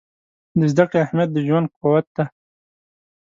د زده کړې اهمیت د ژوند قوت دی.